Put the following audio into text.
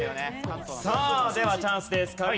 さあではチャンスです。